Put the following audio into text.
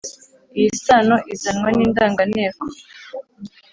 iyo sano izanwa n’indanganteko